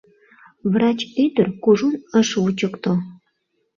Врач ӱдыр кужун ыш вучыкто.